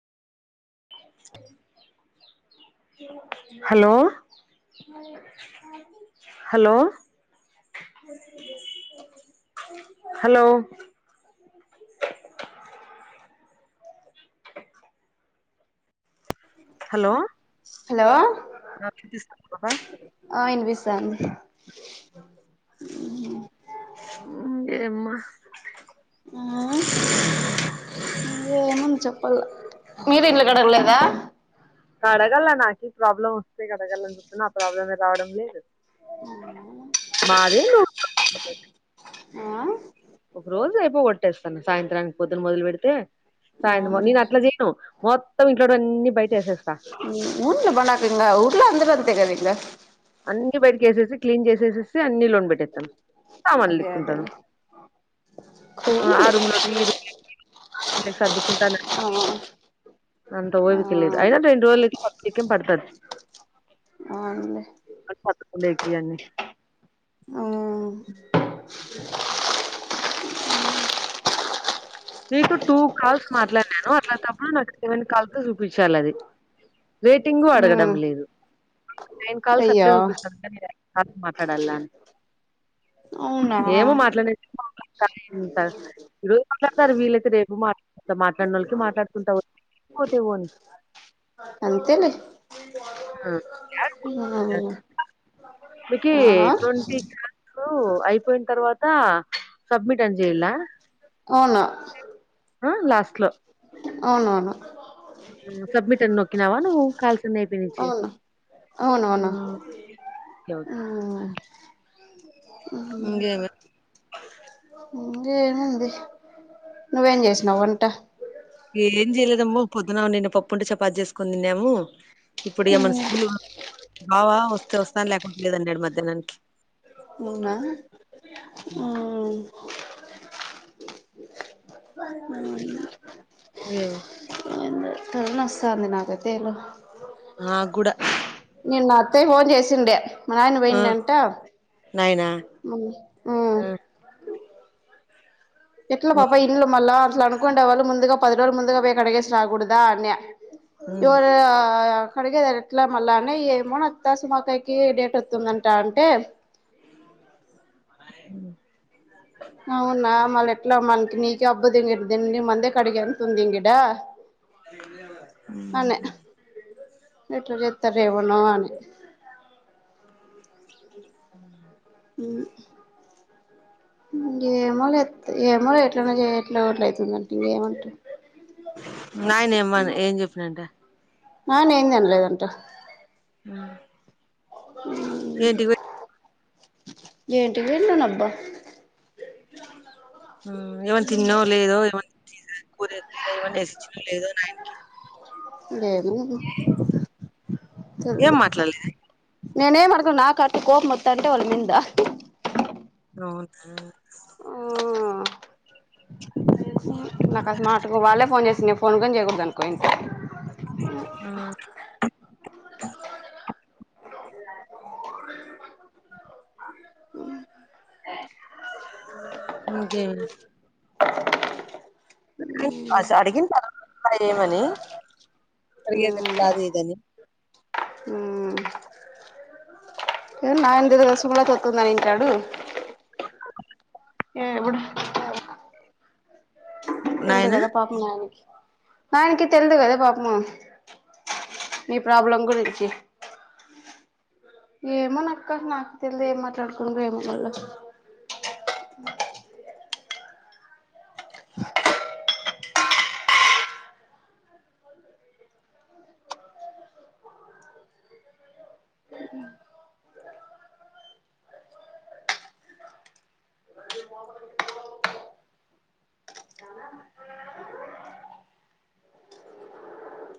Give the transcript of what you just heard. Hello hello hello hello hello [unintelligible] అ మ్మ్ ఏమై ఆ ఇ ఏముంది చెప్ మీరు ఇల్లు కడగా లేదా కడగల్ల నాకి ప్రాబ్లం ఫ్రీగా అడగాలని చూతున ఆ ప్రబ్ రావడం లేదు మాది అబ్బాయి [unintelligible] ఒక రోజు అయిపో కొట్టేస్తాను సాయంత్రానికి పొద్దున మొదలు పెడితే సాయం అవునులే నేను అట్లా చేయను మొత్తం ఇంట్లో ఉన్ అన్ని బెట్ బణాకింగా అఊ [unintelligible] లో అందగత్తె కదా ఇంకా అన్ని బయటి ఏసేసి క్లీన్ చేసేసేసి అన్నిలో ట్టేస్తాం సామాన్లు అదే దిక్కుంటరు అదేలే ఆ పోనీలే రూమ్ లో [inaudible] ముల్లె సద్దుకు కుంటాను ఆ [inaudible] అంత ఆ ఓపికె లేదు అయినా రెండు రోజులకి పకేం పడతది అవునులే అతుకు అతుకులే గీయాన్ని మ్మ్ నీకు టూ కాల్స్ మాట్లాడినాను, అట్లాంటప్పుడు నాకు సెవెన్ కాల్స్ చూపించాలది రేటింగు అడగడం మ్మ్ లేదు నైన్ కాల్స్ అయ్యో అట్లనే చూపిస్తంద నీది కాల్స్ మాట్లాడాల్ల అవునా ఏమో మాట్లాడ [inaudible] ఇంత రూ సారే వీళ్లయితే రేపు మాట్లాడుతా మాట్లాడిన వాళ్ళకి మాట్లాడుకుంటా పోత్ అంతేలే ఆ! ఆ ఇంతకి ఎటువంటి క్లాత్ ఇప్పుడు అయిపోయిన తర్వాత సబ్మిట్ అని చెయల్ల అవునా హ లాస్ట్ లో అవునవును సబమిట్ అని నొకిినవా నువు కాల్ అవును ఆ! అవునువును ఓకే. ఓకే. ఉమ్ అఓ ఇంగేమి ఇకేమంది నువ్వేం చేసినావ్ వంట ఏం చేయలేదమ్మో పొద్దున నిన్న పప్పుంటే చపాతి చేసుకుని తిన్నాము ఇప్పుడు ఏమన్న స్కూల్ బావా వస్తే వస్తా లేయాకుంటె లేదు అన్నాడు మధ్య ననీకి మూనా బ [inaudible] లెవు తది నస్తాంది నాదతేలు నక్గుడ నిన్న అత్తయి ఫోన్ చేసిండే మా నాయన ఆ పోయిడింటా నాయనా మ్ ఆ ఎట్లా ఆ పాప ఇలు మల్ల అట్లా అనుకుంటే వాళ్ళ ముందుగా పది రోజులు ముగాేకు అడిగేసి రాకూదా అని ఎదు ఆ ఆ ఆ కడిగేద ఎట్లా మళ్ళా అనే ఏమోత్తాసు మాకాయకి డేట్ వస్తుతుందంట అంటే అవునా మళ్ళ ఎట్లా మనకి నీ హబ్బింగి ద నివ మందే కడిగి అంతతుంది గిడ అనే ఎట్ల చేస్తాదో ఏమో అని మ్ మ్ ఏమోలే ఏమో ఎట్లన్న చేయి ఎట్ల గట్లవుతది నాయినేమ ఏం చెప్పినంట నాయన ఏం అనలేదంట మ్ మ్ ఏంటి పోయిన నబ్బా మ్ ఏమన్నా తిన్నవ లేదో ఏమన్నా [unintelligible] లేేదులేమా ఏం మాట్లాడలేదే నేనేం అడగన్ నాక్ అటే కోపం అత్తంటే వాళ్ళ మింద అవును ఆ నాక్ అస్ మాట్ కు వాళ్ళే ఫోన్ చేసింది. నేను ఫోన్ గన్ చేయకూడదు జన్ కో ఇంకా ఆ హ్మ్ హు ఇంకేమి అడిగిన తర్వాత ఏమని అడిగేదెట్ల అది ఇదని ఏ నాయంత తెలుసు గుడ ఇంత వస్తుందని నడూ ఏ ఎవడ పెళ్ళి నాయన గదా పాపం ఆయనకి ఆయనకి తెలిదు కదా పాపము నీ ప్రాబ్లం గురించి ఏమో నక్కా నాకు తెలిదు ఏం మాట్లాడుకుండ్రో ఏమో మళ్ళా